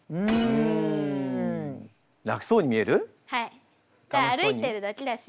はい歩いてるだけだし。